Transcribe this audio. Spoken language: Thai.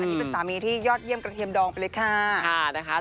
อันนี้เป็นสามีที่ยอดเยี่ยมกระเทียมดองไปเลยค่ะนะคะ